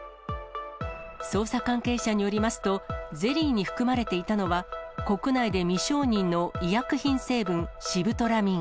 捜査関係者によりますと、ゼリーに含まれていたのは、国内で未承認の医薬品成分、シブトラミン。